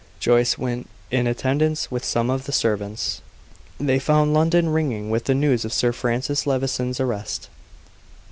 Joyce went, in attendance with some of the servants. They found London ringing with the news of Sir Francis Levison's arrest.